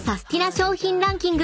商品ランキング